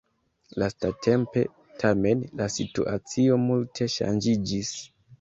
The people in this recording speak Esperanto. Lastatempe, tamen, la situacio multe ŝanĝiĝis.